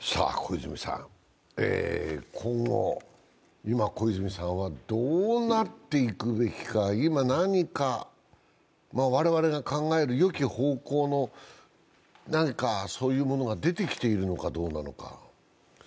今後、今、小泉さんはどうなっていくべきか、今、何か我々が考えるよき方向のそういうものが出てきているのかどうなのか。